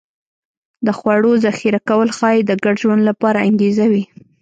د خوړو ذخیره کول ښایي د ګډ ژوند لپاره انګېزه وي